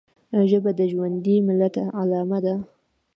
ژبه د ژوندي ملت علامه ده